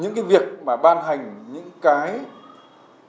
những cái việc mà ban hành những cái quyền